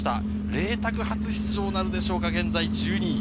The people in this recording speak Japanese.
麗澤、初出場なるでしょうか、現在１２位。